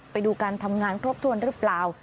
ไปดูการทำงานครบถ้วนหรือเปล่า